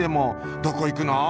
「どこいくのー？」。